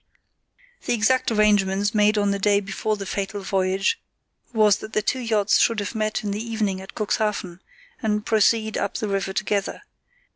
The exact arrangement made on the day before the fatal voyage was that the two yachts should meet in the evening at Cuxhaven and proceed up the river together.